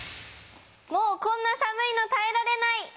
もうこんな寒いの耐えられない！